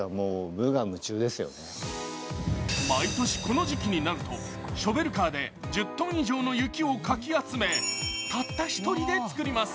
毎年、この時期になるとショベルカーで１０ｔ以上の雪をかき集め、たった一人で作ります。